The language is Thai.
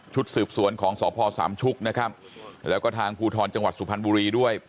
สืบสวนของสพสามชุกนะครับแล้วก็ทางภูทรจังหวัดสุพรรณบุรีด้วย